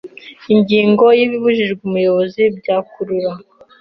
Ingingo ya Ibibujijwe umuyobozi byakurura